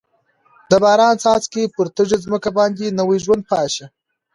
د باران څاڅکي پر تږې ځمکه باندې نوي ژوند پاشي.